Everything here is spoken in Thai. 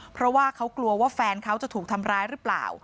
เพราะว่าเขากลัวว่าแฟนเขาจะถูกทำร้ายหรือเปล่า